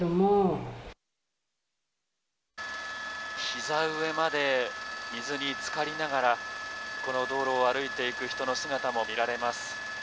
膝上まで水につかりながらこの道路を歩いて行く人の姿も見えます。